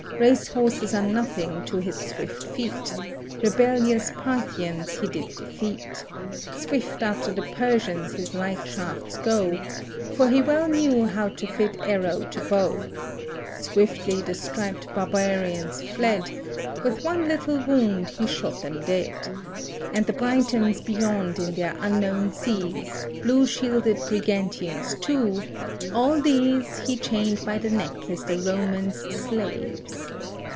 Racehorses are nothing to his swift feet: Rebellious Parthians he did defeat; Swift after the Persians his light shafts go: For he well knew how to fit arrow to bow, Swiftly the striped barbarians fled: With one little wound he shot them dead. And the Britons beyond in their unknown seas, Blue shielded Brigantians too, all these He chained by the neck as the Romans' slaves.